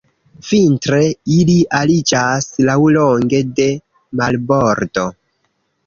Vintre ili ariĝas laŭlonge de marbordo.